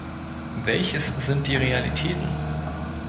Welches sind die Realitäten?